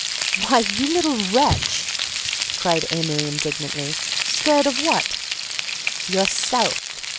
"Why, you little wretch—" cried Amory indignantly. "Scared of what?" "_Yourself!